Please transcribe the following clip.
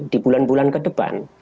di bulan bulan ke depan